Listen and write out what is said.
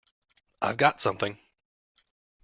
I've got something!